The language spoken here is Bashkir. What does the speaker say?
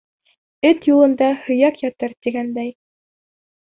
Эт юлында һөйәк ятыр, тигәндәй...